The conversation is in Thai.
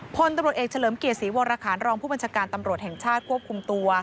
พลตำรวจเอกเฉลิมเกียรติศรีวรคารรองผู้บัญชาการตำรวจแห่งชาติควบคุมตัว